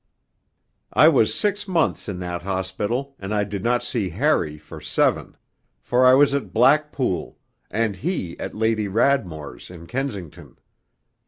_' X I was six months in that hospital, and I did not see Harry for seven. For I was at Blackpool, and he at Lady Radmore's in Kensington.